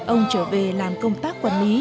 ông trở về làm công tác quản lý